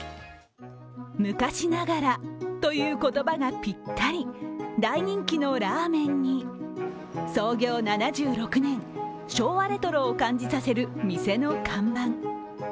昔ながら、という言葉がぴったり大人気のラーメンに創業７６年、昭和レトロを感じさせる店の看板。